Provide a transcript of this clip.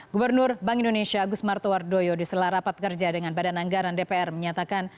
gubernur bank indonesia agus martowardoyo di selarapat kerja dengan badan anggaran dpr menyatakan